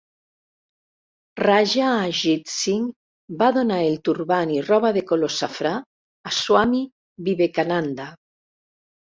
Raja Ajit Singh va donar el turbant i roba de color safrà a Swami Vivekananda.